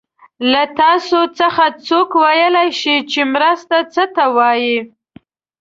له تاسو څخه څوک ویلای شي چې مرسته څه ته وايي؟